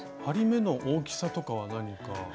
針目の大きさとかは何か。